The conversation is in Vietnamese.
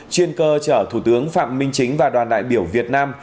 chuyên cơ chở thủ tướng phạm minh chính và đoàn đại biểu việt nam